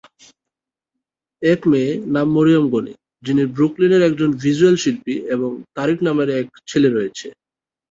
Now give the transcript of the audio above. এক মেয়ে নাম মরিয়ম গণি, যিনি ব্রুকলিনের- একজন ভিজ্যুয়াল শিল্পী এবং তারিক নামের এক ছেলে রয়েছে।